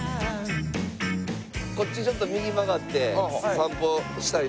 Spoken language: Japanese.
こっちちょっと右に曲がって散歩したいなと。